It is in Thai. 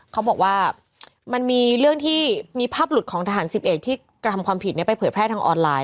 เขาบอกว่ามันมีเรื่องที่มีภาพหลุดของทหารสิบเอกที่กระทำความผิดไปเผยแพร่ทางออนไลน์